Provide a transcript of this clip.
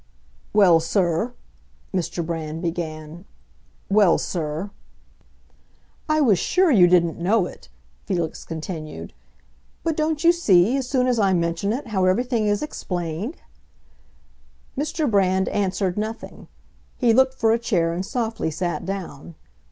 "Well, sir"—Mr. Brand began; "well, sir——" "I was sure you didn't know it," Felix continued. "But don't you see—as soon as I mention it—how everything is explained?" Mr. Brand answered nothing; he looked for a chair and softly sat down.